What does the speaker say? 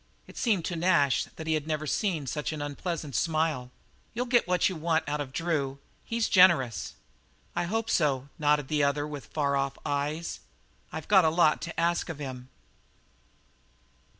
It seemed to Nash that he had never seen such an unpleasant smile. "You'll get what you want out of Drew. He's generous." "I hope so," nodded the other, with far off eyes. "I've got a lot to ask of him."